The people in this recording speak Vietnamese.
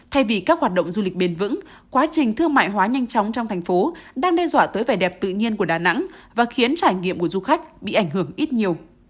thay vì các hoạt động du lịch bền vững quá trình thương mại hóa nhanh chóng trong thành phố đang đe dọa tới vẻ đẹp tự nhiên của đà nẵng và khiến trải nghiệm của du khách bị ảnh hưởng ít nhiều